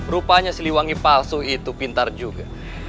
rupanya si liwangi palsu itu pintar juga